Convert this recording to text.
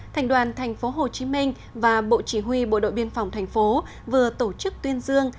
thành đoàn tp hcm và bộ chỉ huy bộ đội biên phòng tp hcm vừa tổ chức tuyên dương